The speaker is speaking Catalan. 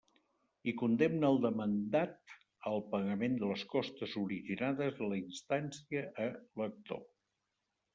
I condemne el demandat al pagament de les costes originades en la instància a l'actor.